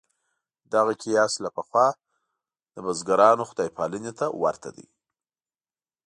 دغه قیاس له پخوا بزګرانو خدای پالنې ته ورته دی.